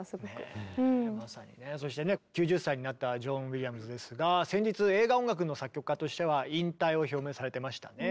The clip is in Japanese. そしてね９０歳になったジョン・ウィリアムズですが先日映画音楽の作曲家としては引退を表明されてましたね。